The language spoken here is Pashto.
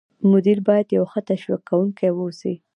مدیر باید یو ښه تشویق کوونکی واوسي.